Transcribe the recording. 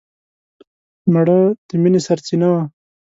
مړه د مینې سرڅینه وه